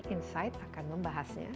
insight akan membahasnya